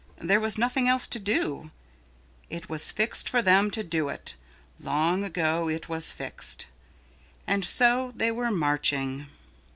There was nothing else to do. It was fixed for them to do it, long ago it was fixed. And so they were marching.